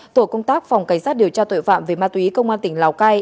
tổ công tác phòng cảnh sát điều tra tội phạm về ma túy công an tỉnh lào cai